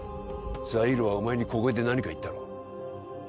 ザイールはお前に小声で何か言ったろ？